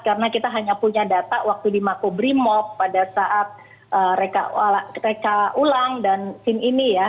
karena kita hanya punya data waktu di makubrimob pada saat reka ulang dan scene ini ya